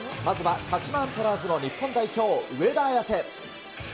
まずは鹿島アントラーズの日本代表、上田綺世。